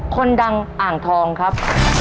คนดังอ่างทองครับ